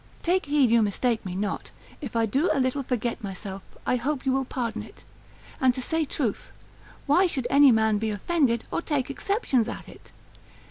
Take heed you mistake me not. If I do a little forget myself, I hope you will pardon it. And to say truth, why should any man be offended, or take exceptions at it?